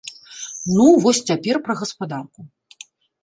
Ну вось цяпер пра гаспадарку.